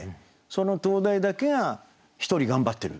その灯台だけが１人頑張ってる。